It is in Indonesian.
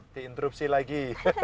ya di interupsi lagi